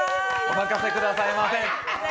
お任せくださいませ。